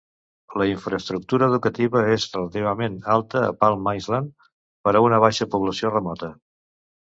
La infraestructura educativa és relativament alta a Palm Island per a una baixa població remota.